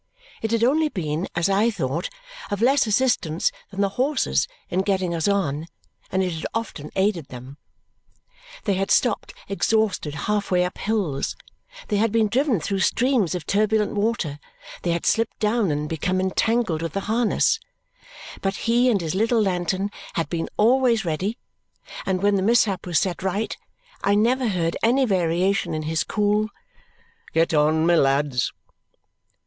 It had only been, as I thought, of less assistance than the horses in getting us on, and it had often aided them. They had stopped exhausted half way up hills, they had been driven through streams of turbulent water, they had slipped down and become entangled with the harness; but he and his little lantern had been always ready, and when the mishap was set right, I had never heard any variation in his cool, "Get on, my lads!"